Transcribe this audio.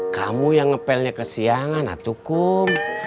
kamu yang ngepelnya ke siangan atu kum